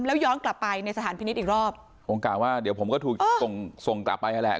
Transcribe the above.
แล้วย้อนกลับไปในสถานพินิษฐ์อีกรอบคงกล่าวว่าเดี๋ยวผมก็ถูกส่งส่งกลับไปนั่นแหละ